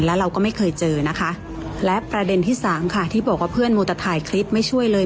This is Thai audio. แล้วเราก็ไม่เคยเจอนะคะและประเด็นที่สามค่ะที่บอกว่าเพื่อนมูแต่ถ่ายคลิปไม่ช่วยเลย